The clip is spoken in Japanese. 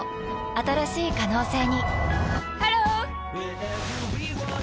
新しい可能性にハロー！